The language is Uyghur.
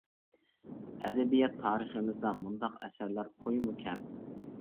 ئەدەبىيات تارىخىمىزدا مۇنداق ئەسەرلەر خويمۇ كەم.